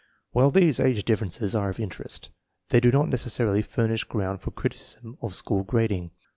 While these age differences are of interest, they do not necessarily furnish ground for criticism of school grading.